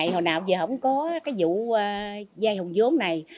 hồi nào giờ không có cái vụ dây hùng giống này